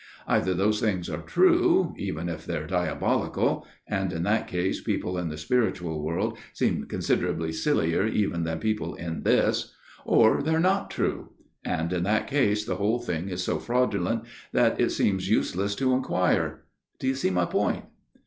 Either those things are true, even if they're diabolical and in that case people in the spiritual world seem considerably sillier even than people in this or they're not true ; and in that case the whole thing is so fraudulent that it seems useless to inquire. Do you see my point